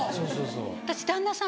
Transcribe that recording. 私旦那さん